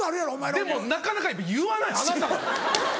でもなかなか言わないあなたが。